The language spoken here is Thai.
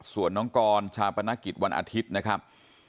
ส่วนน้องกรชาปนกิจวันอาทิตย์นะครับ